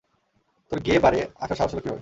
তোর গে বারে আসার সাহস হলো কিভাবে?